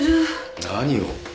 何を？